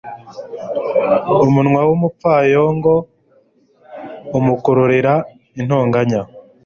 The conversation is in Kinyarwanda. umunwa w'umupfayongo umukururira intonganya